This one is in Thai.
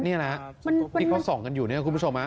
นี่นะที่เขาส่องกันอยู่เนี่ยคุณผู้ชม